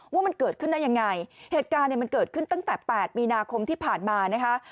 ว่ามันเกิดขึ้นได้ยังไงเหตุการณ์เนี่ยมันเกิดขึ้นตั้งแต่๘มีนาคมที่ผ่านมานะคะ